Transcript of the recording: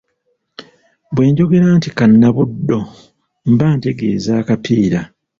Bwe njogera nti Kannabuddo mba ntegeeze akapiira.